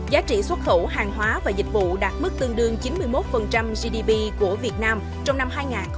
giá trị xuất khẩu hàng hóa và dịch vụ đạt mức tương đương chín mươi một gdp của việt nam trong năm hai nghìn hai mươi